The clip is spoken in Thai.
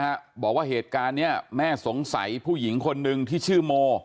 หลังหนุ่มคนนี้นะฮะบอกว่าเหตุการณ์เนี่ยแม่สงสัยผู้หญิงคนนึงที่ชื่อโม